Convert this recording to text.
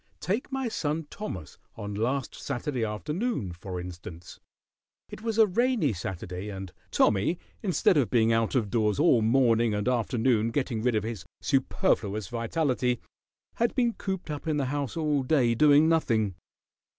Take my son Thomas on last Saturday afternoon, for instance. It was a rainy Saturday, and Tommy, instead of being out of doors all morning and afternoon getting rid of his superfluous vitality, had been cooped up in the house all day doing nothing.